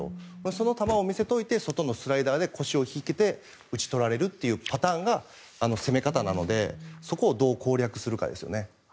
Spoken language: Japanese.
その球を見せておいて外のスライダーで腰が引けて打ち取られるというパターンが攻め方なのでそこをどう攻略するかですよね。